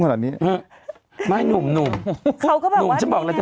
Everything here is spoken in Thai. ขนาดนี้ไม่หนุ่มหนุ่มเขาก็แบบว่าหนุ่มฉันบอกแล้วจะ